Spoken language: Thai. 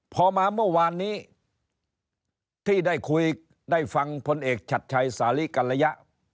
พอมาเมื่อวานนี้ที่ได้คุยได้ฟังพลเอกชัดชัยสาลิกัลยะ